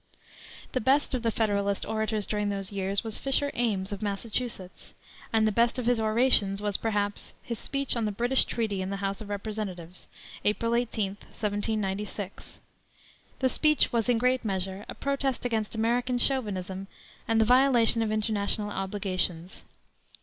The best of the Federalist orators during those years was Fisher Ames, of Massachusetts, and the best of his orations was, perhaps, his speech on the British treaty in the House of Representatives, April 18, 1796. The speech was, in great measure, a protest against American chauvinism and the violation of international obligations.